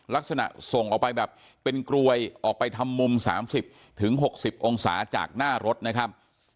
ลักษณะส่งออกไปแบบเป็นกรวยออกไปทำมุม๓๐๖๐องศาจากหน้ารถนะครับ